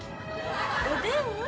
おでん？